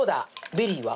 ベリーは？